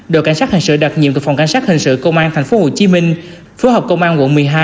đội cảnh sát hình sự đặc nhiệm của phòng cảnh sát hình sự công an tp hcm phối hợp công an quận một mươi hai